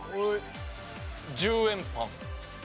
１０円パン。